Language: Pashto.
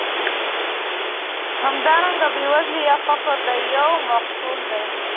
همدارنګه بېوزلي یا فقر د یو څه محصول دی.